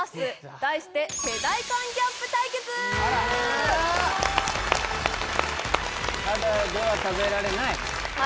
題してタダでは食べられない